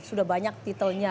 sudah banyak titelnya